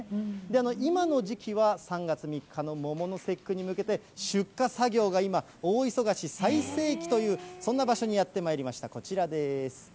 今の時期は３月３日の桃の節句に向けて出荷作業が今、大忙し、最盛期という、そんな場所にやってまいりました、こちらです。